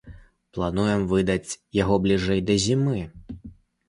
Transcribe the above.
Плануем выдаць яго бліжэй да зімы.